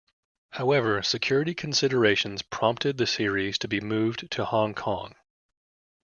However, security considerations prompted the series to be moved to Hong Kong.